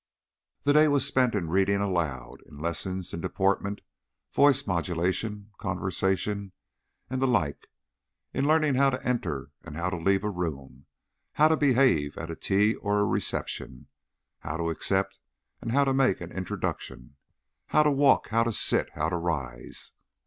The day was spent in reading aloud, in lessons in deportment, voice modulation, conversation, and the like; in learning how to enter and how to leave a room, how to behave at a tea or a reception, how to accept and how to make an introduction, how to walk, how to sit, how to rise.